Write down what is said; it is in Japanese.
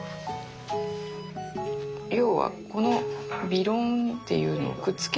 要はこのびろんっていうのをくっつける。